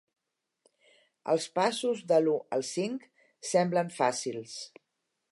Els passos de l'u al cinc semblen fàcils.